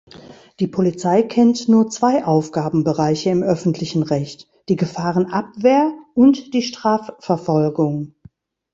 Die Polizei kennt nur zwei Aufgabenbereiche im öffentlichen Recht: die Gefahrenabwehr und die Strafverfolgung.